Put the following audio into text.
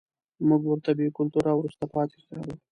موږ ورته بې کلتوره او وروسته پاتې ښکارو.